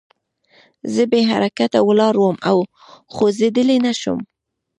زه بې حرکته ولاړ وم او خوځېدلی نه شوم